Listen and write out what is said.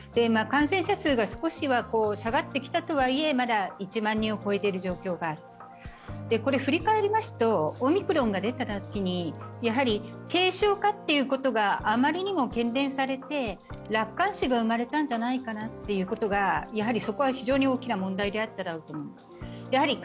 感染者数が少しは下がってきたとはいえ、まだ１万人を超えている状況がある振り返りますと、オミクロンが出たときにやはり軽症かということがあまりにもけんでんされて楽観視が生まれたんじゃないかということが、そこは非常に大きな問題であったろうと思います。